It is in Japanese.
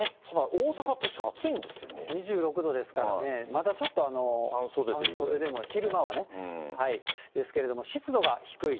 大阪、２６度ですからね、まだちょっと半袖でも、昼間はね、ですけれども、湿度が低い。